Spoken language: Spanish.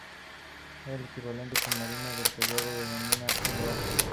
El equivalente submarino del collado es denominado umbral.